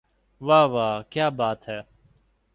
واہ واہ کیا بات ہے